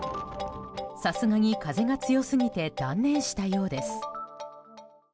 さすがに風が強すぎて断念したようです。